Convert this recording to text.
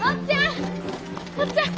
おっちゃん！